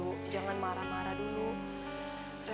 ke inilah dong itu sih